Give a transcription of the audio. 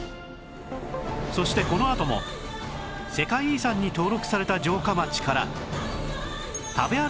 そしてこのあとも世界遺産に登録された城下町から